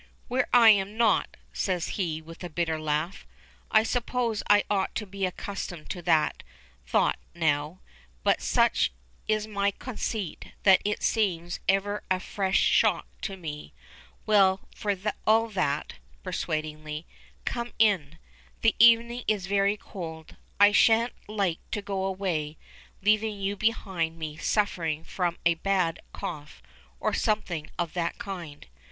"Where I am not," says he, with a bitter laugh. "I suppose I ought to be accustomed to that thought now, but such is my conceit that it seems ever a fresh shock to me. Well, for all that," persuadingly, "come in. The evening is very cold. I shan't like to go away, leaving you behind me suffering from a bad cough or something of that kind.